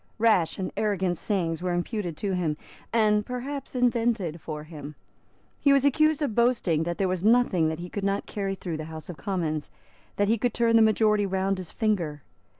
Rash and arrogant sayings were imputed to him, and perhaps invented for him. He was accused of boasting that there was nothing that he could not carry through the House of Commons, that he could turn the majority round his finger.